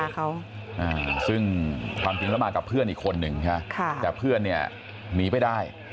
คือความจริงแล้วมากับเพื่อนอีกคนนึงแต่เพื่อนนี่หนีไปได้